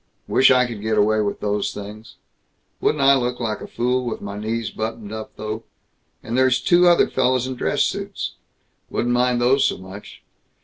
Wish I could get away with those things. Wouldn't I look like a fool with my knees buttoned up, though! And there's two other fellows in dress suits. Wouldn't mind those so much.